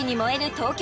東京